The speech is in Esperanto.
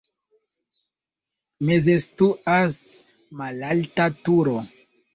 Meze situas malalta turo.